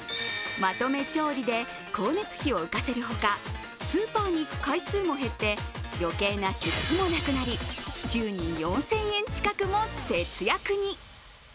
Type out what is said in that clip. まとめ調理で光熱費を浮かせるほか、スーパーに行く回数も減って余計な出費もなくなり週に４０００円近くも節約に。